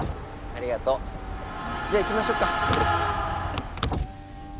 ありがとう。じゃあ行きましょうか。